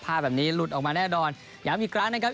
ภาพแบบนี้หลุดออกมาแน่นอนย้ำอีกครั้งนะครับ